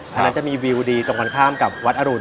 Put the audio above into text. อันนั้นจะมีวิวดีตรงกันข้ามกับวัดอรุณ